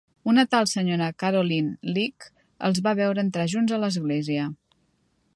Una tal senyora Caroline Leak els va veure entrar junts a l'església.